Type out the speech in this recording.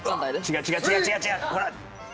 違う違う違う違う違う！